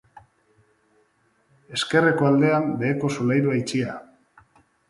Ezkerreko aldean beheko solairua itxia.